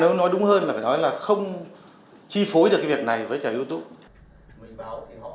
nếu nói đúng hơn là phải nói là không chi phối được cái việc này với cả youtube